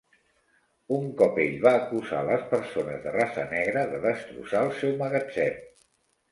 Un cop ell va acusar les persones de raça negra de destrossar el seu magatzem.